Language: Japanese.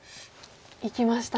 いきましたね。